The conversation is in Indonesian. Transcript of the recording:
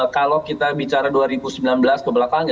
kalau kita bicara dua ribu sembilan belas kebelakangnya